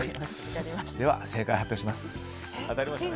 では正解を発表します。